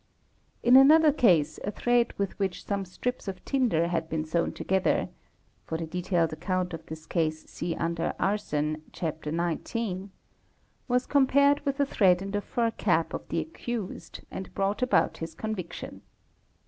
In another ' case a thread with which some strips of tinder had been sewn together (for the detailed account of this case see under Arson, Chap. XIX) was compared with a thread in the fur cap of the accused and brought about his conviction.